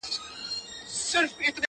بوډا ژړل ورته یوازي څو کیسې یادي وې؛